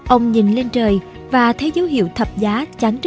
ông nhìn lên trời và thấy dấu hiệu thập giá chán rứt